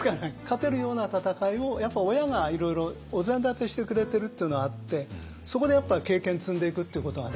勝てるような戦いを親がいろいろお膳立てしてくれてるっていうのはあってそこでやっぱ経験積んでいくっていうことが大事ですね。